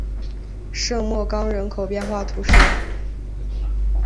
圣莫冈人口变化图示